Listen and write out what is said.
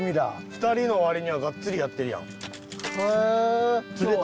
２人のわりにはがっつりやってるやん。